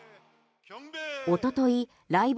おとといライブ